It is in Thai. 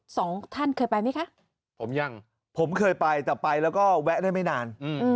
สองท่านเคยไปไหมคะผมยังผมเคยไปแต่ไปแล้วก็แวะได้ไม่นานอืม